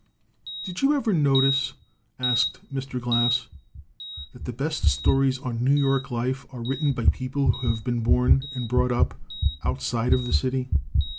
"Did you ever notice," asked Mr. Glass, "that the best stories on New York life are written by people who have been born and brought up outside of the city?